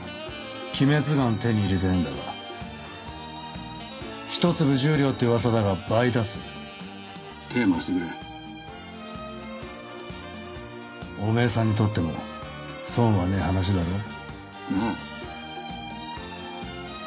鬼滅丸手に入れてぇんだが１粒１０両ってうわさだが倍出す・手ぇ回してくれ・おめぇさんにとっても損はねぇ話だろ？・なぁ？